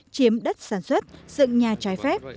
chiếm đất sản xuất dựng nhà trái phép